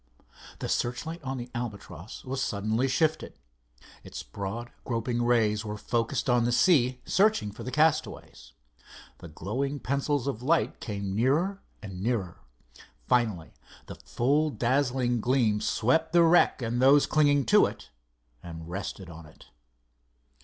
The searchlight on the Albatross was suddenly shifted. Its broad, groping rays were focussed on the sea, searching for the castaways. The glowing pencils of light came nearer and nearer. Finally the full dazzling gleam swept the wreck and those clinging to it, and rested on it.